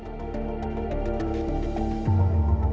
harimau yang diperniagakan di belakang kita ini mulai menyusut